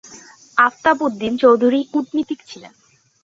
আফতাব উদ্দিন চৌধুরী কূটনীতিক ছিলেন।